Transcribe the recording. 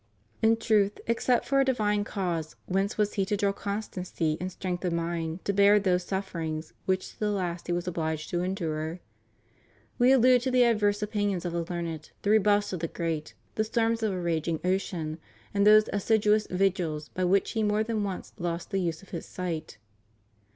In truth, except for a divine cause, whence was he to draw constancy and strength of mind to bear those suf ferings which to the last he was obliged to endure? We allude to the adverse opinions of the learned, the rebuffs of the great, the storms of a raging ocean, and those as siduous vigils by which he more than once lost the use of his sight.